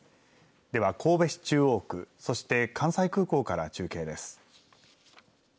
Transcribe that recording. では神戸市中央区、そして関西空港から中継です。